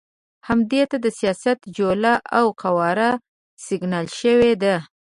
همدې ته د سیاست جوله او قواره سکڼل شوې ده.